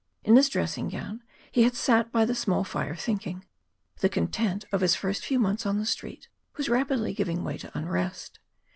In his dressing gown he had sat by the small fire, thinking. The content of his first few months on the Street was rapidly giving way to unrest.